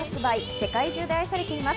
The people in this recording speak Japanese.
世界中で愛されています。